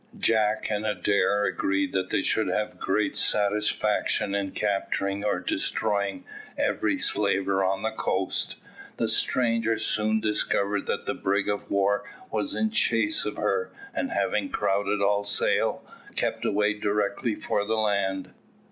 Jack and Adair agreed that they should have great satisfaction in capturing or destroying every slaver on the coast. The stranger soon discovered that the brig of war was in chase of her, and having crowded all sail, kept away directly for the land.